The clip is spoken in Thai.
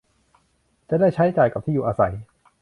จะได้ใช้จ่ายกับที่อยู่อาศัย